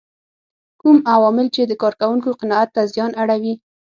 کوم عوامل چې د کار کوونکو قناعت ته زیان اړوي.